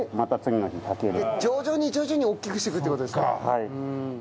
はい。